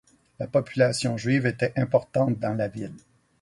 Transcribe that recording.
La population juive était importante dans la ville.